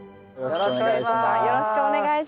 よろしくお願いします。